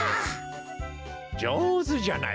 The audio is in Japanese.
じょうずじゃないか。